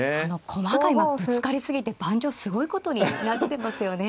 駒が今ぶつかり過ぎて盤上すごいことになってますよね。